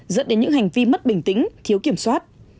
dẫn đến những hành vi mất bình tĩnh thiếu kiểm soát